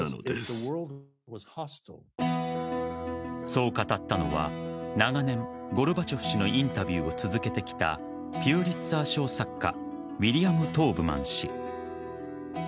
そう語ったのは長年、ゴルバチョフ氏のインタビューを続けてきたピュリツァー賞作家ウィリアム・トーブマン氏。